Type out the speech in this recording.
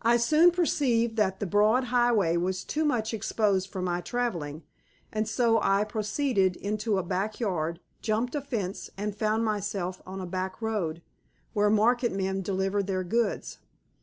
I soon perceived that the broad highway was too much exposed for my traveling, and so I proceeded into a back yard, jumped a fence, and found myself on a back road, where market men deliver their goods.